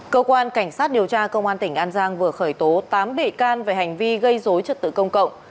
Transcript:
cơ quan cảnh sát điều tra công an tỉnh an giang vừa khởi tố tám bệ can về hành vi gây dối trật tự công cộng